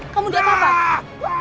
kamu di atap apa